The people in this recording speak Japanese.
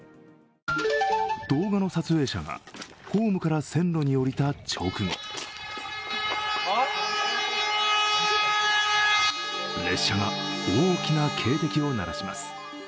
動画の撮影者がホームから線路に下りた直後列車が大きな警笛を鳴らします。